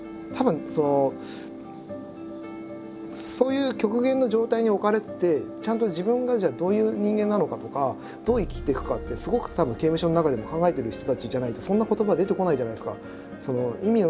たぶんそのそういう極限の状態に置かれててちゃんと自分がどういう人間なのかとかどう生きていくかってすごくたぶん刑務所の中でも考えてる人たちじゃないとそんな言葉出てこないじゃないですか。